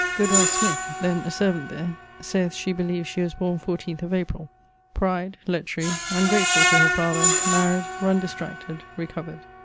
Goodwife Smyth (then a servant there) sayeth she beleeves she was borne 14 of Aprill. Pride; lechery; ungratefull to her father; maried, ...; runne distracted, ...; recovered